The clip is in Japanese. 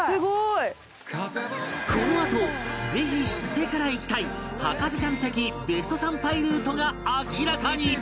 このあとぜひ知ってから行きたい博士ちゃん的ベスト参拝ルートが明らかに！